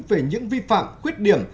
về những vi phạm khuyết điểm